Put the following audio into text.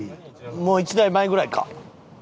もう１台前ぐらいか？